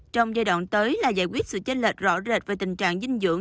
trong giai đoạn tới là giải quyết sự chênh lệch rõ rệt về tình trạng dinh dưỡng